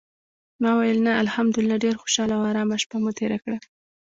ما ویل: "نه، الحمدلله ډېره خوشاله او آرامه شپه مو تېره کړه".